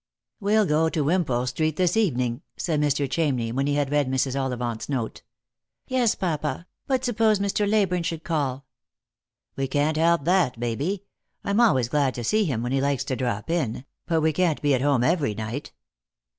" We'll go to Wimpole street this evening," said Mr. Cham ney, when he had read Mrs. Ollivant's note. " Yes, papa ; but suppose Mr. Leyburne should call ?"" We can't help that, Baby. I'm always glad to see him when he likes to drop in ; but we can't be at home every night."